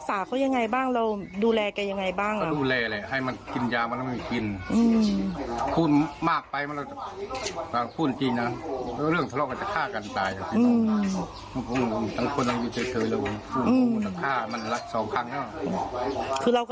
สุดท้าย